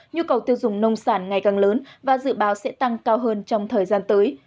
nhu cầu tiêu dùng nông sản ngày càng lớn và dự báo sẽ tăng cao hơn trong thời gian tới